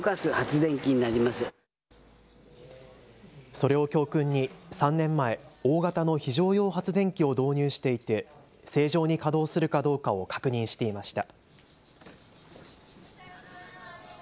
それを教訓に３年前、大型の非常用発電機を導入していて正常に稼働するかどうかを確認していました。